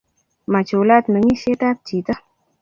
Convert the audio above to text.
machulat mengishet ab chito